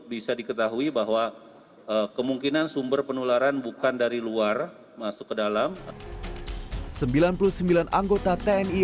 bisa diketahui bahwa kemungkinan sumber penularan bukan dari luar masuk ke dalam sembilan puluh sembilan anggota tni